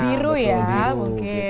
biru ya mungkin